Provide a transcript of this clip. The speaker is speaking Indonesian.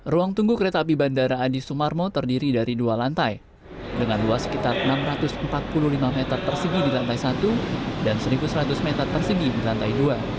ruang tunggu kereta api bandara adi sumarmo terdiri dari dua lantai dengan luas sekitar enam ratus empat puluh lima meter persegi di lantai satu dan satu seratus meter persegi di lantai dua